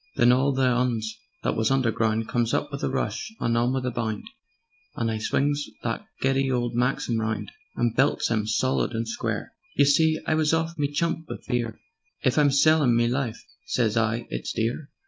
"Then all the 'Uns that was underground, Comes up with a rush and on with a bound, And I swings that giddy old Maxim round And belts 'em solid and square. You see I was off me chump wiv fear: 'If I'm sellin' me life,' sez I, 'it's dear.'